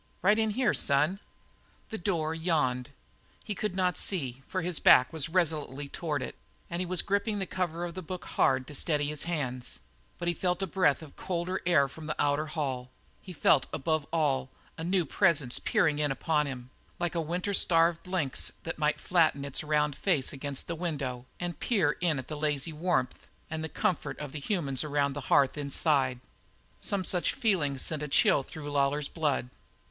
Right in here, son." The door yawned. He could not see, for his back was resolutely toward it and he was gripping the cover of the book hard to steady his hands; but he felt a breath of colder air from the outer hall; he felt above all a new presence peering in upon him, like a winter starved lynx that might flatten its round face against the window and peer in at the lazy warmth and comfort of the humans around the hearth inside. Some such feeling sent a chill through Lawlor's blood.